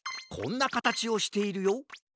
こんなかたちをしているよ